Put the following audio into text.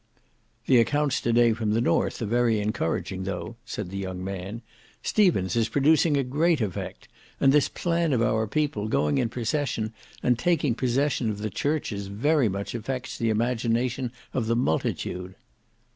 "The accounts to day from the north are very encouraging though," said the young man. "Stevens is producing a great effect, and this plan of our people going in procession and taking possession of the churches very much affects the imagination of the multitude."